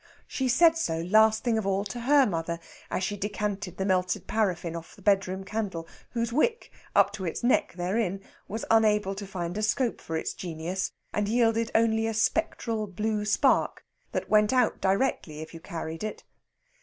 She said so last thing of all to her mother as she decanted the melted paraffin of a bedroom candle whose wick, up to its neck therein, was unable to find a scope for its genius, and yielded only a spectral blue spark that went out directly if you carried it.